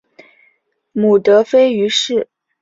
母德妃俞氏。